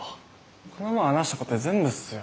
この前話したことで全部っすよ。